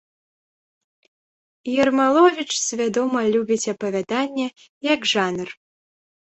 Ермаловіч свядома любіць апавяданне як жанр.